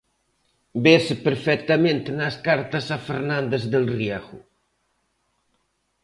Vese perfectamente nas cartas a Fernández del Riego.